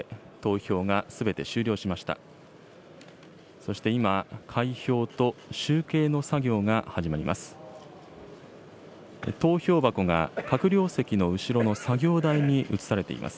そして今、開票と集計の作業が始まります。